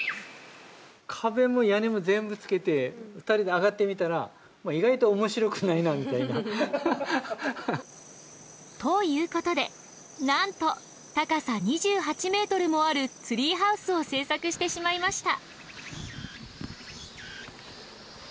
壁も屋根も全部付けて２人で上がってみたら意外と面白くないなみたいな。ということでなんと高さ２８メートルもあるツリーハウスを製作してしまいました。